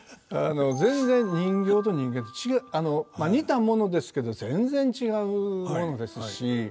全然人間と人形て違う似たものですけど全然違うものですし。